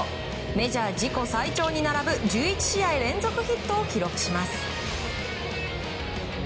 メジャー自己最長に並ぶ１１試合連続ヒットを記録します。